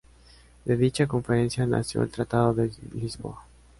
De dicha conferencia nació el tratado de Lisboa.